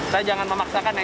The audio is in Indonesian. saya jangan memaksakan ya